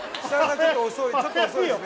ちょっと遅いですね